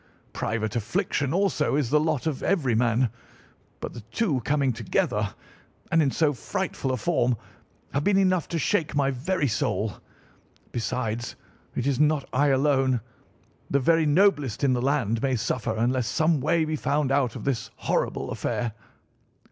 Private affliction also is the lot of every man; but the two coming together, and in so frightful a form, have been enough to shake my very soul. Besides, it is not I alone. The very noblest in the land may suffer unless some way be found out of this horrible affair."